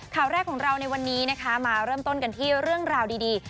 ข่าวแรกของเราในวันนี้นะคะมาเริ่มต้นกันที่เรื่องราวดี